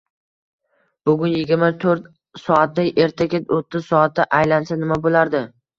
Bugun yigirma to'rt soatda, ertaga o'ttiz soatda aylansa nima bo’lardi?